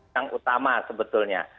yang utama sebetulnya